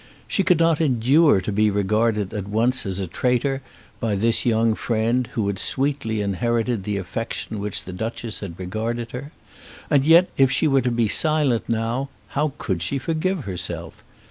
She could not endure to be regarded at once as a traitor by this young friend who had sweetly inherited the affection with which the Duchess had regarded her. And yet if she were to be silent how could she forgive herself?